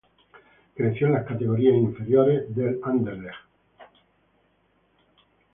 Creció en las categorías inferiores del Anderlecht.